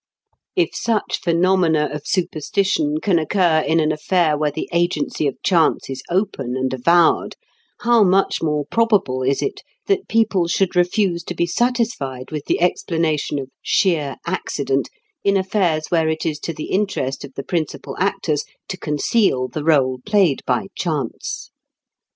If such phenomena of superstition can occur in an affair where the agency of chance is open and avowed, how much more probable is it that people should refuse to be satisfied with the explanation of "sheer accident" in affairs where it is to the interest of the principal actors to conceal the rôle played by chance!